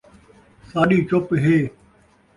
ساݙی چپ ہے